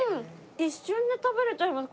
一瞬で食べれちゃいます